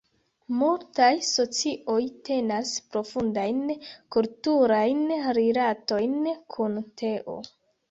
Multaj socioj tenas profundajn kulturajn rilatojn kun teo.